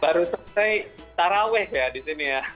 baru selesai taraweh ya di sini ya